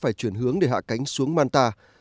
phải chuyển hướng để hạ cánh xuống manta